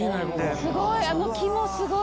すごい。